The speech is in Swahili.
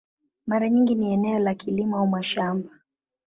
Mara nyingi ni eneo la kilimo au mashamba.